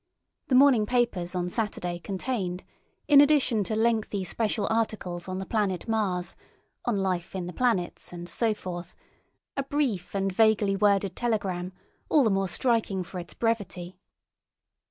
The morning papers on Saturday contained, in addition to lengthy special articles on the planet Mars, on life in the planets, and so forth, a brief and vaguely worded telegram, all the more striking for its brevity.